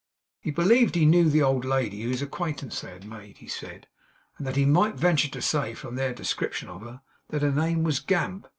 He believed he knew the old lady whose acquaintance they had made, he said; and that he might venture to say, from their description of her, that her name was Gamp.